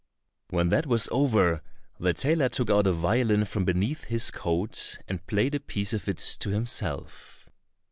When that was over, the tailor took out a violin from beneath his coat, and played a piece of it to himself.